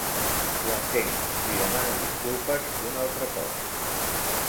Ho entenc, li demano disculpes un altre cop.